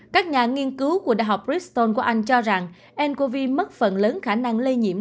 các nhà nghiên cứu của đại học briston của anh cho rằng ncov mất phần lớn khả năng lây nhiễm